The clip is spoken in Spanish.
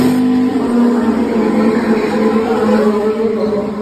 Forma parte de la cuenca del río Guadalentín.